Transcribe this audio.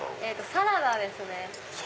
サラダですね。